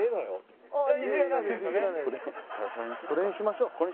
それにしましょう。